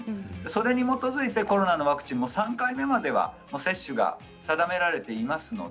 それに基づいてコロナのワクチンの３回目までは接種が定められています。